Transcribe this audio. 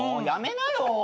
やめなよ。